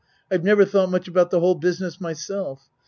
I've never thought much about the whole business myself.